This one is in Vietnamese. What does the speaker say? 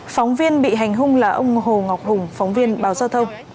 phóng viên bị hành hung là ông hồ ngọc hùng phóng viên báo giao thông